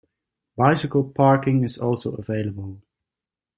Bicycle parking is also available.